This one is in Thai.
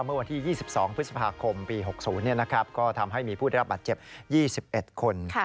เมื่อวันที่๒๒พฤษภาคมปี๖๐ก็ทำให้มีผู้ได้รับบาดเจ็บ๒๑คน